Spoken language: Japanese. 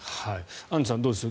アンジュさん、どうです？